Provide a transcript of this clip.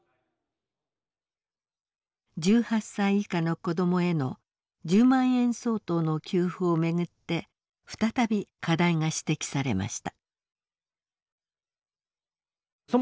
１８歳以下の子どもへの１０万円相当の給付を巡って再び課題が指摘されました。